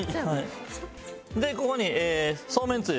でここにそうめんつゆ。